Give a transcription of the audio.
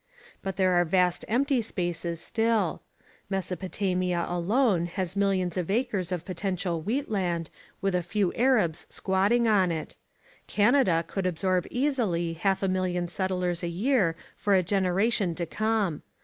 But there are vast empty spaces still. Mesopotamia alone has millions of acres of potential wheat land with a few Arabs squatting on it. Canada could absorb easily half a million settlers a year for a generation to come.